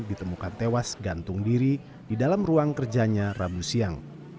ditemukan tewas gantung diri di dalam ruang kerjanya rabu siang